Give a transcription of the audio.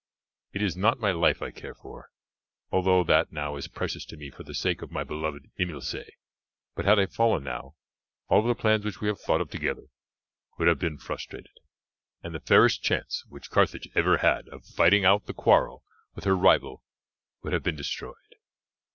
It is not my life I care for, although that now is precious to me for the sake of my beloved Imilce, but had I fallen now all the plans which we have thought of together would have been frustrated, and the fairest chance which Carthage ever had of fighting out the quarrel with her rival would have been destroyed.